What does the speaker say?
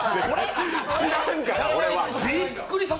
知らんから、俺は。